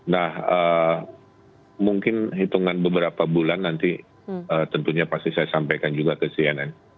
nah mungkin hitungan beberapa bulan nanti tentunya pasti saya sampaikan juga ke cnn